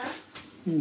うん。